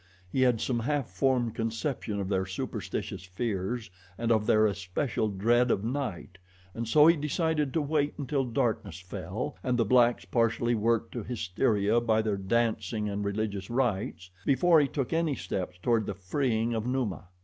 He had some half formed conception of their superstitious fears and of their especial dread of night, and so he decided to wait until darkness fell and the blacks partially worked to hysteria by their dancing and religious rites before he took any steps toward the freeing of Numa.